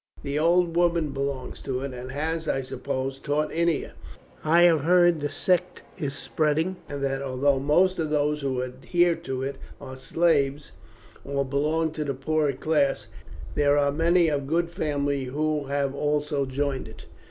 The old woman belongs to it, and has, I suppose, taught Ennia. I have heard that the sect is spreading, and that although most of those who adhere to it are slaves, or belong to the poorer class, there are many of good family who have also joined it."